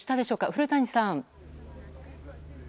古谷さん。